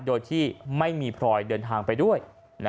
โดยที่ไม่มีพลอยเดินทางไปด้วย